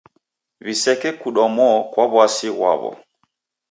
W'iseke kudwa mo kwa w'asi ghwaw'o.